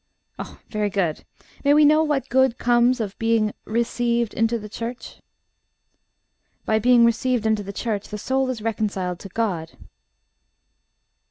"Oh, very good.... May we know what good comes of being 'received into the Church?'" "By being received into the Church, the soul is reconciled to God."